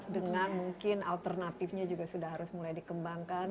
dengan mungkin alternatifnya juga sudah harus mulai dikembangkan